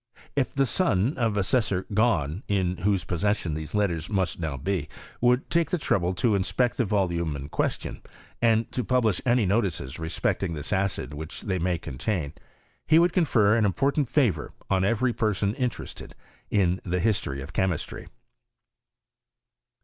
If the son of Assessor Gahn, in whose possession these letters must now be, would t^e the trouble to inspect the volume in question, and to publish any notices respecting this acid which they may contain, he would confer an important favour on every person interested in the history of chemistry.